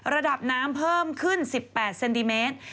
ระดับน้ำเพิ่มขึ้น๑๘เซนติเมตร